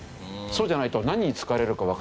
そうじゃないと何に使われるかわからない。